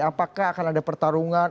apakah akan ada pertarungan